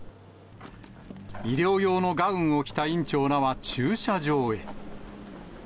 医療用のガウンを着た院長らは駐車場へ。